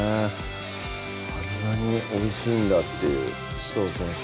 あんなにおいしいんだっていう紫藤先生